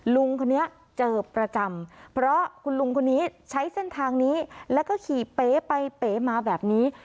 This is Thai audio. ลุงคนนี้เจอประจำเพราะคุณลุงคนนี้ใช้เส้นทางนี้แล้วก็ขี่เป๊ไปเป๋มาแบบนี้